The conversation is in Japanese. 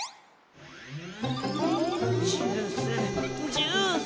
ジュース！